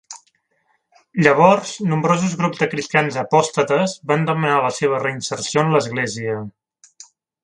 Llavors, nombrosos grups de cristians apòstates van demanar la seva reinserció en l'Església.